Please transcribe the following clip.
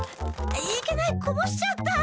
いけないこぼしちゃった！